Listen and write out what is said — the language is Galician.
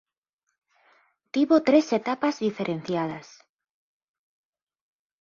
Tivo tres etapas diferenciadas.